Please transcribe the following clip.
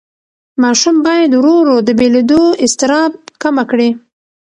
ماشوم باید ورو ورو د بېلېدو اضطراب کمه کړي.